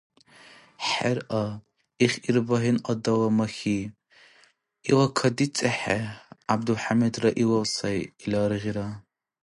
Хӏера, их Ирбагьин–адала махьи. Ила кадицӏехӏе, Гӏябдулхӏямидра илав сай или аргъира.